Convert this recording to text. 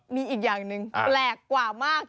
มีอีกอย่างหนึ่งแปลกกว่ามาก